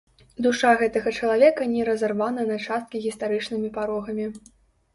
Душа гэтага чалавека не разарвана на часткі гістарычнымі парогамі.